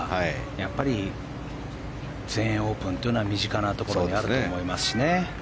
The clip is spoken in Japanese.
やっぱり、全英オープンは身近なところにあると思いますしね。